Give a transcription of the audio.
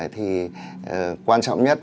thì quan trọng nhất